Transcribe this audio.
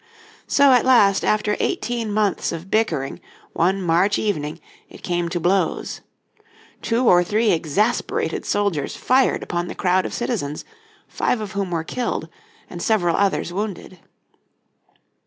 So at last after eighteen months of bickering one March evening it came to blows. Two or three exasperated soldiers fired upon the crowd of citizens, five of whom were killed and several others wounded.